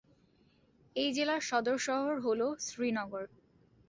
এই জেলার সদর শহর হল শ্রীনগর।